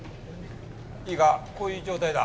いいかこういう状態だ。